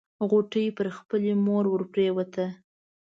غوټۍ پر خپلې مور ورپريوته.